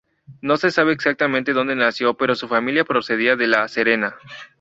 No se sabe exactamente donde nació, pero su familia procedía de La Serena.